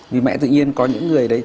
vì mẹ tự nhiên có những người đấy